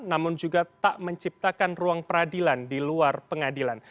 namun juga tak menciptakan ruang peradilan di luar pengadilan